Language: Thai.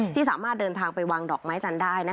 ที่สามารถเดินทางไปวางดอกไม้จันทร์ได้